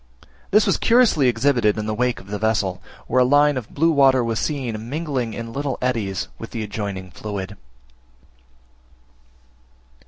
This was curiously exhibited in the wake of the vessel, where a line of blue water was seen mingling in little eddies, with the adjoining fluid.